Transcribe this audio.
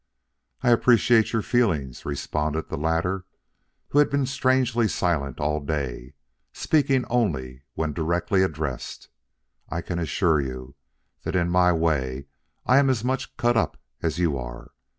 "I appreciate your feelings," responded the latter, who had been strangely silent all day, speaking only when directly addressed. "I can assure you that in my way I'm as much cut up as you are.